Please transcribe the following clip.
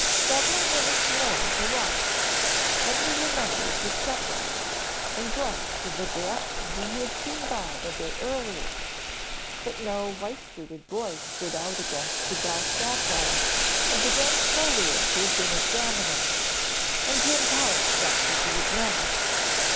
Several minutes more he watched, then he remembered his step brother, and glanced in the direction where he had seen Bob a bit earlier, but no white suited boy stood out against the dark background of the dense foliage he had been examining, and Jim's heart jumped into his mouth.